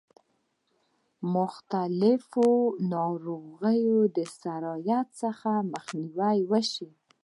مختلفو ناروغیو د سرایت څخه مخنیوی وشي.